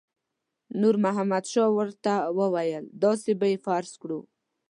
نور محمد شاه ورته وویل داسې به یې فرض کړو.